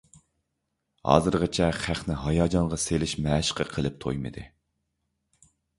ھازىرغىچە خەقنى ھاياجانغا سېلىش مەشىقى قىلىپ تويمىدى.